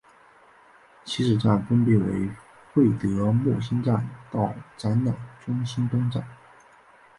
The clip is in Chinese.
起始站分别为费德莫兴站到展览中心东站。